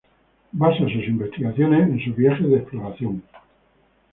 Basa sus investigaciones en sus viajes de exploración.